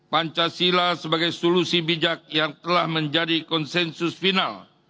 pancasila sebagai solusi bijak yang telah menjadi konsensus final